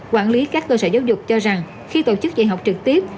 quản lý các cơ sở giáo dục cho rằng khi tổ chức dạy học trực tiếp